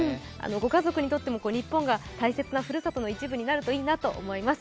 ご家族にとっても日本が大切なふるさとの一部になるといいなと思います。